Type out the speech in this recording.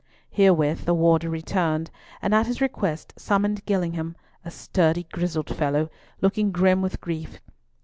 Herewith the warder returned, and at his request summoned Gillingham, a sturdy grizzled fellow, looking grim with grief.